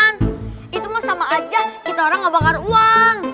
kan itu mah sama aja kita orang gak bakar uang